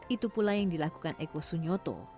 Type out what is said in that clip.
itu pula yang dilakukan eko sunyoto